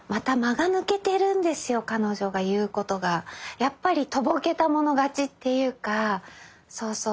やっぱりとぼけたもの勝ちっていうかそうそう。